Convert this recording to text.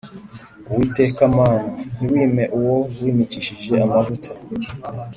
uwiteka mana, ntiwime uwo wimikishije amavuta;